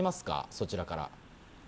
そちらから。